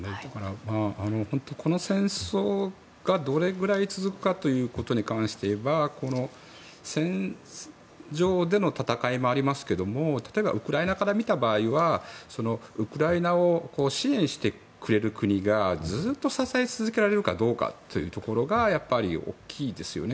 本当にこの戦争がどれくらい続くかということに関して言えば戦場での戦いもありますけども例えばウクライナから見た場合はウクライナを支援してくれる国がずっと支え続けられるかどうかというところが大きいですよね。